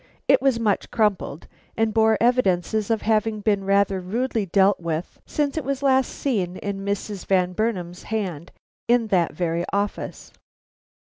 It was much crumpled, and bore evidences of having been rather rudely dealt with since it was last seen in Mrs. Van Burnam's hand in that very office.